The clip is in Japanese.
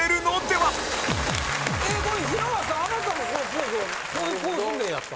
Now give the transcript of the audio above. はい。